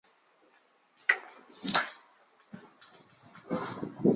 波恩大教堂是位于德国城市波恩的一座罗马天主教教堂。